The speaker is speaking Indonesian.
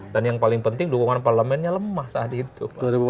dan yang paling penting dukungan parlamennya lemah saat itu